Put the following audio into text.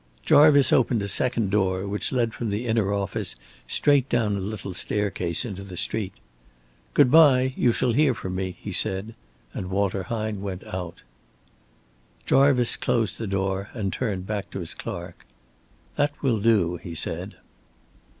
Jarvice opened a second door which led from the inner office straight down a little staircase into the street. "Good by. You shall hear from me," he said, and Walter Hine went out. Jarvice closed the door and turned back to his clerk. "That will do," he said.